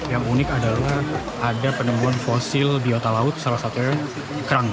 yang unik adalah ada penemuan fosil biota laut salah satunya kerang